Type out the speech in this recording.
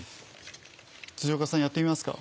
辻岡さんやってみますか？